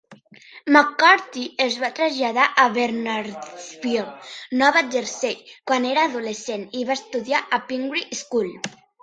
McCarthy es va traslladar a Bernardsville, Nova Jersey, quan era adolescent i va estudiar a Pingry School.